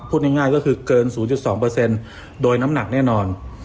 พูดง่ายก็คือเกิน๐๒โดยน้ำหนักแน่นอน